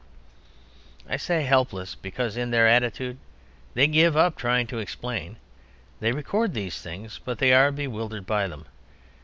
I say "helpless" because in their attitude they give up trying to explain. They record these things, but they are bewildered by them.